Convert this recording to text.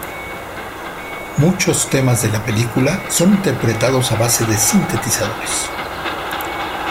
Muchos temas de la película son interpretados a base de sintetizadores.